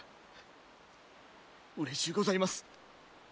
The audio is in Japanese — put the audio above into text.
うれしゅうございます！